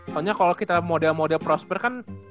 soalnya kalau kita model model prosper kan